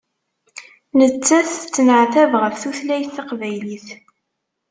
Nettat tettneɛtab ɣef tutlayt taqbaylit.